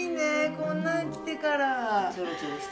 こんなん着てから。